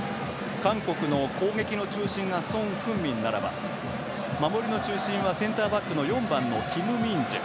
韓国の攻撃の中心がソン・フンミンならば守りの中心はセンターバックの４番のキム・ミンジェ。